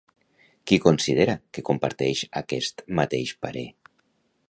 Qui considera que comparteix aquest mateix parer?